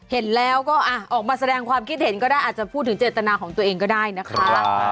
เห็นแล้วก็ออกมาแสดงความคิดเห็นก็ได้อาจจะพูดถึงเจตนาของตัวเองก็ได้นะคะ